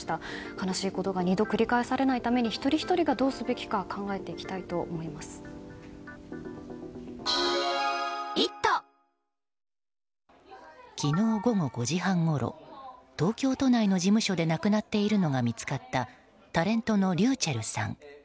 悲しいことが２度繰り返されないために一人ひとりがどうすべきか昨日午後５時半ごろ東京都内の事務所で亡くなっているのが見つかったタレントのｒｙｕｃｈｅｌｌさん。